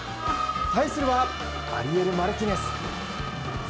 対するはアリエル・マルティネス。